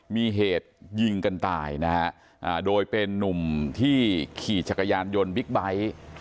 มีเหตุยิงกันตายนะฮะโดยเป็นนุ่มที่ขี่จักรยานยนต์บิ๊กไบท์